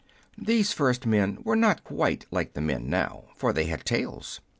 These first men were not quite like the men now, for they had tails.